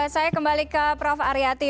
saya kembali ke prof aryati